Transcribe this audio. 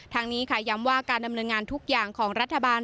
ทางนี้ค่ะย้ำว่าการดำเนินงานทุกอย่างของรัฐบาล